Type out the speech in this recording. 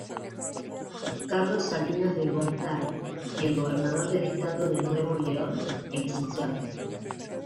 Carlos Salinas de Gortari y el Gobernador del estado de Nuevo León, el Lic.